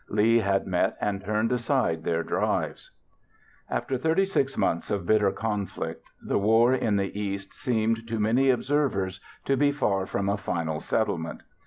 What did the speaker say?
Lee had met and turned aside their drives. After 36 months of bitter conflict the war in the East seemed, to many observers, to be far from a final settlement.